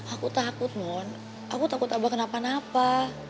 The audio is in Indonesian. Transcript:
aku takut mon aku takut abah kenapa napa